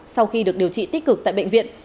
sau khi được điều trị tích cực tại bệnh viện